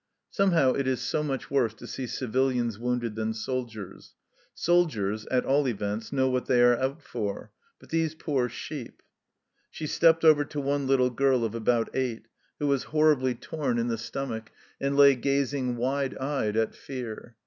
Somehow it is so much worse to see civilians wounded than soldiers ; soldiers, at all events, know what they are out for, but these poor sheep She stepped over to one little girl of about eight, who was horribly torn in the stomach 37 38 THE CELLAR HOUSE OF PERVYSE and lay gazing wide eyed at Fear.